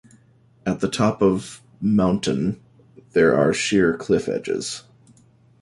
At the top of mountain there are sheer cliff edges.